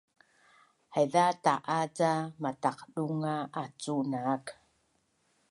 Haiza ta’a ca mataqdunga acu naak